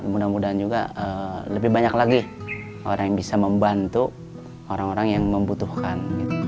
mudah mudahan juga lebih banyak lagi orang yang bisa membantu orang orang yang membutuhkan